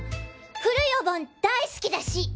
古いお盆大好きだし！